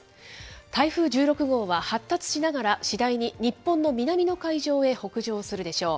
台風１６号は、発達しながら、次第に日本の南の海上へ北上するでしょう。